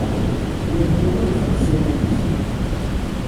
Yal yiwen ixelleṣ iman-is.